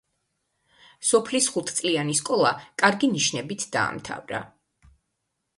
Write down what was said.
სოფლის ხუთწლიანი სკოლა კარგი ნიშნებით დაამთავრა.